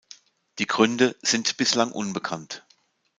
Die Gründe sind bislang unbekannt.